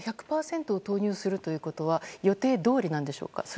１００％を投入するのは予定どおりなんでしょうか。